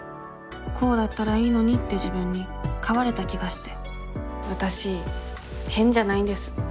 こうだったらいいのにって自分に変われた気がしてわたし変じゃないんです。